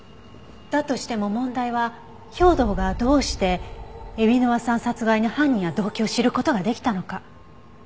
だとしても問題は兵働がどうして海老沼さん殺害の犯人や動機を知る事ができたのか。